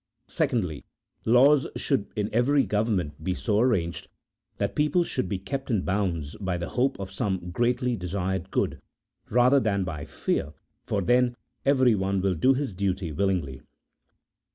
Secondly, laws should in every government be so arranged that people should be kept in bounds by the hope of some greatly desired good, rather than by fear, for then everyone will do his duty willingly.